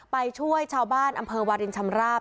ไปช่วยชาวบ้านอำเภอวารินชำราบ